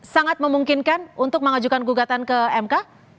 sangat memungkinkan untuk mengajukan gugatan ke mk